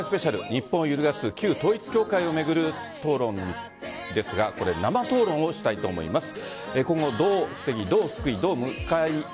日本を揺るがす旧統一教会を巡る討論ですが生討論をしたいと思います。